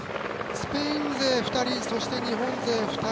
スペイン勢２人、日本勢２人